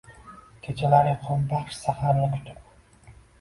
Kechalar ilhombaxsh saharni kutib